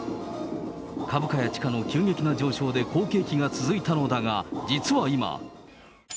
株価や地価の急激な上昇で好景気が続いたのだが、実は今。